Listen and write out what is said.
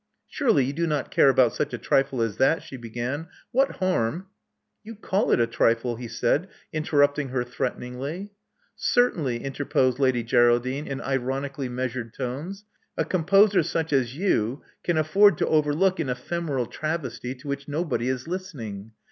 *' Surely you do not care about such a trifle as that," she began. "What harm " "You call it a trifle," he said, interrupting her threateningly. *' Certainly, '' interposed Lady Geraldine, in ironically measured tones. A composer such as you can afford to overlook an ephemeral travesty to which nobody is listenmg.